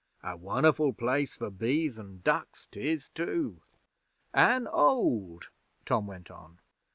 A won'erful place for bees an' ducks 'tis too.' 'An' old,' Tom went on.